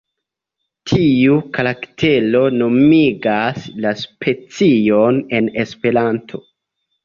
Tiu karaktero nomigas la specion en Esperanto.